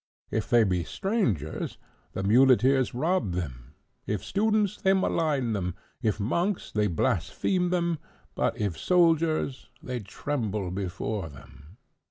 If they be strangers, the muleteers rob them; if students, they malign them; if monks, they blaspheme them; but if soldiers, they tremble before them.